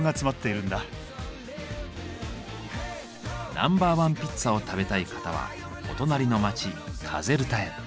ナンバーワンピッツァを食べたい方はお隣の町カゼルタへ。